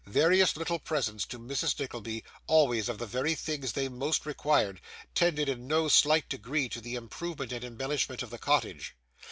Various little presents to Mrs. Nickleby, always of the very things they most required, tended in no slight degree to the improvement and embellishment of the cottage.